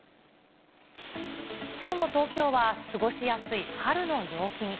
きょうの東京は過ごしやすい春の陽気に。